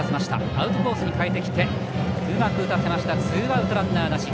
アウトコースに変えてきてうまく打たせてツーアウトランナーなし。